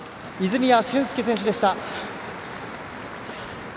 泉谷駿介選手でした。